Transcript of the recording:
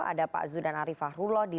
ada pak zudan arifah rulo di